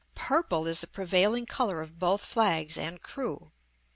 Purple is the prevailing color of both flags and crew.